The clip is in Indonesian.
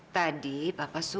tadi papa suruh